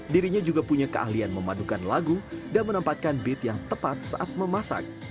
dirinya juga punya keahlian memadukan lagu dan menempatkan beat yang tepat saat memasak